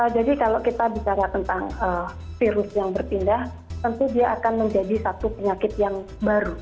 jadi kalau kita bicara tentang virus yang berpindah tentu dia akan menjadi satu penyakit yang baru